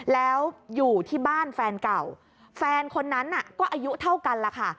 แล้วอยู่ที่บ้านแฟนเก่าแฟนคนนั้นน่ะก็อายุเท่ากันล่ะค่ะ